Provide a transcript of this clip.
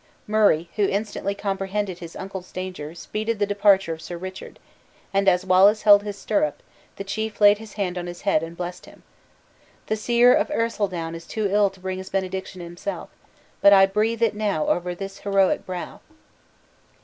Murray, who instantly comprehended his uncle's danger speeded the departure of Sir Richard; and as Wallace held his stirrup, the chief laid his hand on his head, and blessed him. "The seer of Ercildown is too ill to bring his benediction himself, but I breathe it over this heroic brow!"